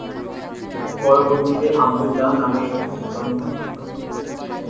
পরবর্তীতে আবদুল্লাহ নামে একটি শিশু জন্মগ্রহণ করে।